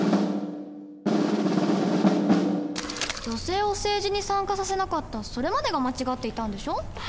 女性を政治に参加させなかったそれまでが間違っていたんでしょ？